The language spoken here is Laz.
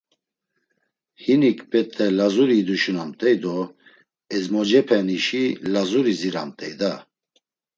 Hinik bet̆e Lazuri iduşunamt̆ey do ezmocepenişi Lazuri ziramt̆ey da!